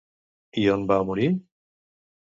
I on va morir?